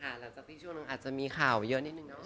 หลังจากที่ช่วงหนึ่งอาจจะมีข่าวเยอะนิดนึงเนาะ